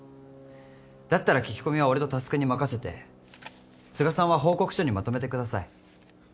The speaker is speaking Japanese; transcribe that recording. だったら聞き込みは俺と匡に任せて都賀さんは報告書にまとめてください。